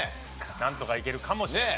なんとかいけるかもしれません。